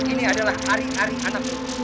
ini adalah ari ari anakmu